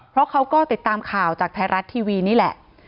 เพราะเขาก็ติดตามข่าวจากไทยรัฐทีวีนี่แหละ